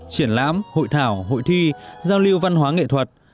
triển lãm hội thảo hội thi giao lưu văn hóa nghệ thuật